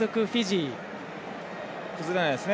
崩れないですね